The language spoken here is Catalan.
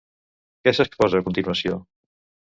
Què s'exposa a continuació?